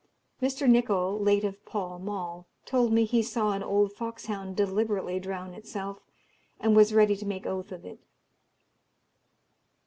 Mr. Nicol, late of Pall Mall, told me he saw an old foxhound deliberately drown itself, and was ready to make oath of it.